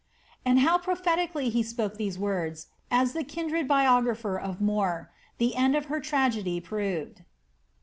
^ And how prophetically he spoke these words," adds the kirn dred biographer of More, ^ the end of her tragedy proved."